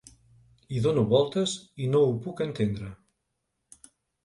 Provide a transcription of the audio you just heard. Hi dono voltes i no ho puc entendre.